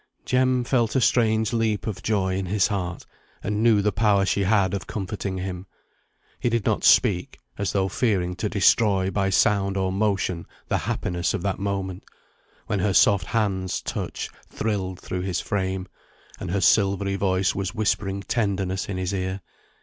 Jem felt a strange leap of joy in his heart, and knew the power she had of comforting him. He did not speak, as though fearing to destroy by sound or motion the happiness of that moment, when her soft hand's touch thrilled through his frame, and her silvery voice was whispering tenderness in his ear.